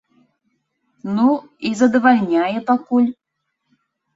Ну, і задавальняе пакуль.